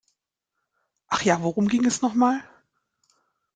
Ach ja, worum ging es noch mal?